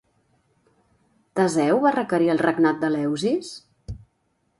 Teseu va requerir el regnat d'Eleusis?